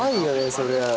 そりゃ。